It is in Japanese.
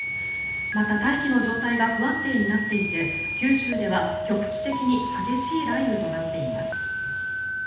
また、大気の状態が不安定になっていて、九州では局地的に激しい雷雨となっています。